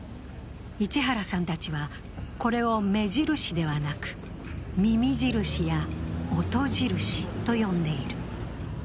市原さんたちは、これを目印ではなく、耳印や音印と呼んでいる。